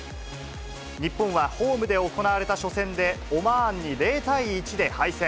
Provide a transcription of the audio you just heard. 日本はホームで行われた初戦でオマーンに０対１で敗戦。